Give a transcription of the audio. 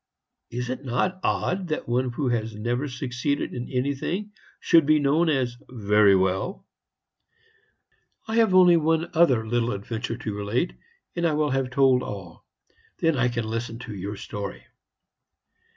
Is it not odd that one who has never succeeded in anything should be known as 'Very well'? "I have only one other little adventure to relate, and I will have told all. Then I can listen to your story.